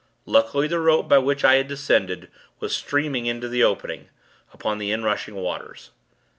Luckily, the rope by which I had descended, was streaming into the opening, upon the inrushing waters.